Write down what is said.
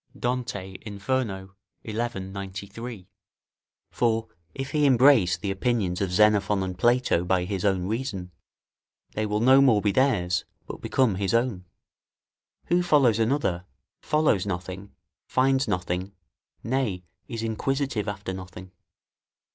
Dante, Inferno, xi. 93] for, if he embrace the opinions of Xenophon and Plato, by his own reason, they will no more be theirs, but become his own. Who follows another, follows nothing, finds nothing, nay, is inquisitive after nothing.